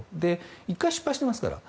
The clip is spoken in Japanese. １回失敗してますから。